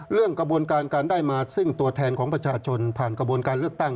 กระบวนการการได้มาซึ่งตัวแทนของประชาชนผ่านกระบวนการเลือกตั้ง